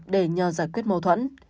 để nhờ giải quyết mâu thuẫn